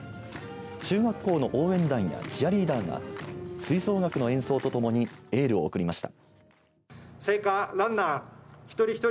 中学校の応援団やチアリーダーが吹奏楽の演奏とともにエールを送りました。